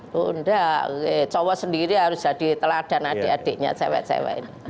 bunda cowok sendiri harus jadi teladan adik adiknya cewek cewek